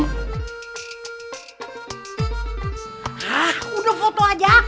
hah udah foto aja